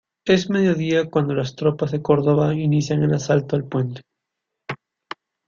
Es mediodía cuando las tropas de Córdova inician el asalto al puente.